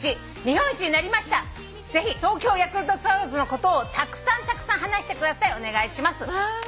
ぜひ東京ヤクルトスワローズのことをたくさんたくさん話してくださいお願いします」